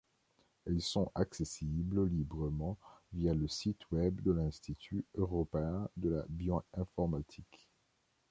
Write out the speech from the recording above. Elles sont accessibles librement via le site Web de L'Institut Européen de la Bioinformatique.